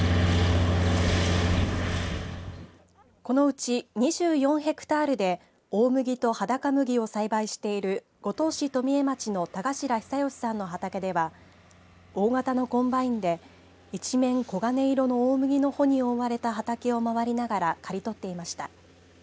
このうち２４ヘクタールで大麦と裸麦を栽培している五島市富江町の田頭久好さんの畑では大型のコンバインで一面、黄金色の大麦の穂に覆われた畑を回りながら刈り取っていました。